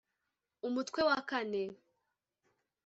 umutwe wa kane